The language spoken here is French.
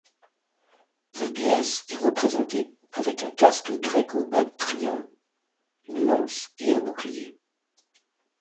La déesse est représentée avec un casque gréco-bactrien, une lance et un bouclier.